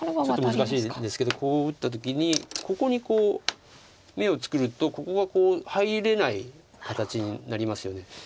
ちょっと難しいですけどこう打った時にここにこう眼を作るとここが入れない形になりますよね。